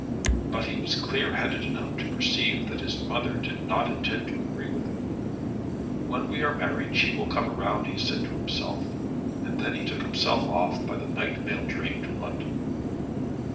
But he was clear headed enough to perceive that his mother did not intend to agree with him. "When we are married she will come round," he said to himself, and then he took himself off by the night mail train to London.